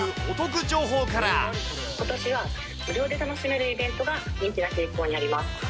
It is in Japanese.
ことしは無料で楽しめるイベントが人気な傾向にあります。